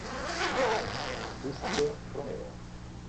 Justo Romero.